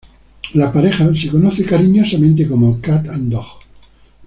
La pareja se conoce cariñosamente como "Kat and Dog".